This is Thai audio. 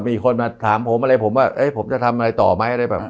มีคนมาถามผมว่าผมจะทำอะไรต่อมั้ย